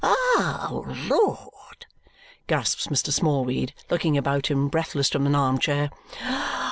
"Oh, Lord!" gasps Mr. Smallweed, looking about him, breathless, from an arm chair.